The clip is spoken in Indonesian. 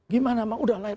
gimana mak sudah lahir